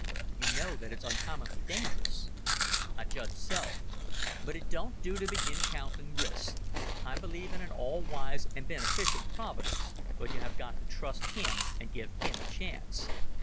"You know that it's uncommonly dangerous?" "I judged so. But it don't do to begin counting risks. I believe in an all wise and beneficent Providence, but you have got to trust Him and give Him a chance.